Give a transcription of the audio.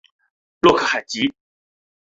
洛克海吉。